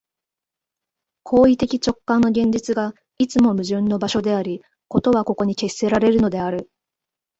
行為的直観の現実が、いつも矛盾の場所であり、事はここに決せられるのである。